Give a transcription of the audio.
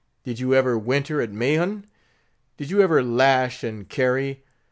Did you ever winter at Mahon? Did you ever '_lash and carry?